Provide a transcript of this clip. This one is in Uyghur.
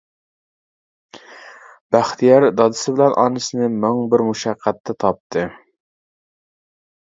بەختىيار دادىسى بىلەن ئانىسىنى مىڭ بىر مۇشەققەتتە تاپتى.